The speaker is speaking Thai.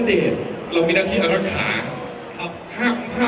เมื่อเวลาอันดับสุดท้ายมันกลายเป้าหมายเป้าหมาย